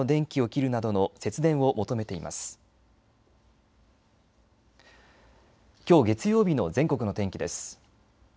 きょう月曜日の全国の天気です。